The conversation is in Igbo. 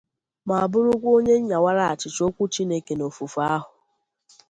ma bụrụkwa onye nyawara achịcha okwu Chineke n'ofufe ahụ